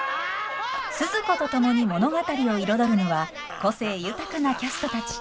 スズ子と共に物語を彩るのは個性豊かなキャストたち。